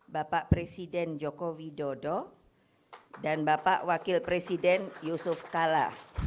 dua ribu sembilan belas bapak presiden joko widodo dan bapak wakil presiden yusuf kalla